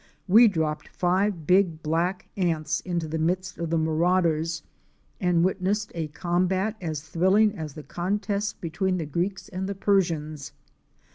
We dropped five big black ants into the midst of the marauders, and witnessed a combat as thrilling as the con test between the Greeks and Persians.